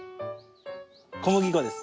小麦粉です。